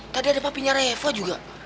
tadi ada papinya revo juga